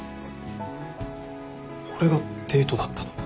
これがデートだったのか。